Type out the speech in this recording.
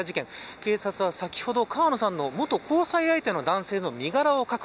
警察は先ほど川野さんの元交際相手の男性の身柄を確保。